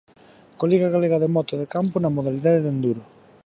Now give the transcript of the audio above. Coa Liga galega de moto de campo na modalidade de enduro.